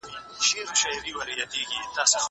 زه کولای سم بوټونه پاک کړم!؟